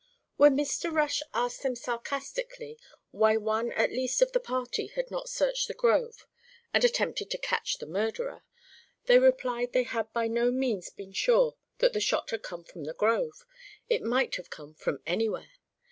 When Mr. Rush asked them sarcastically why one at least of the party had not searched the grove and attempted to capture the murderer, they replied they had by no means been sure that the shot had come from the grove. It might have come from anywhere.